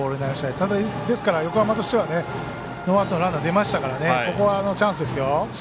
ただ、横浜としてはノーアウトのランナーが出ましたからここはチャンスですよ。